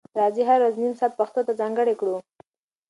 راځئ هره ورځ نیم ساعت پښتو ته ځانګړی کړو.